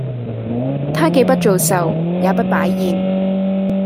她既不做壽，也不擺宴